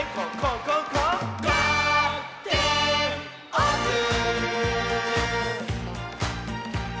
「オープン！」